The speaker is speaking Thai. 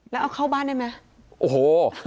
แล้วเอาเข้าบ้านได้ไหมโอ้โห